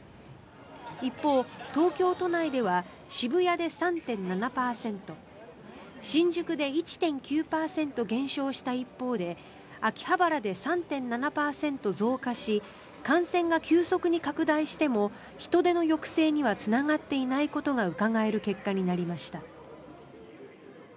一方、東京都内では渋谷で３．７％新宿で１．９％減少した一方で秋葉原で３．７％増加し感染が急速に拡大しても人出の抑制にはつながっていないことがうかがえる結果となりました。